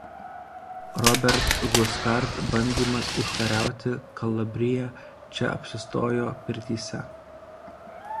Robert Guiscard bandydamas užkariauti Kalabriją čia apsistojo pirtyse.